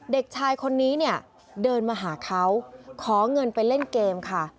เด็กชายคนนี้เนี่ยเดินมาหาเขาขอเงินไปเล่นเกมค่ะ